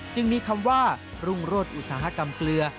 จึงมีคำว่ารุ่งโรศอุตสาหกรรมเกลือ